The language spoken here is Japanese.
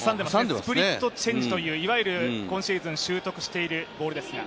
スプリットチェンジという今シーズン習得している球です。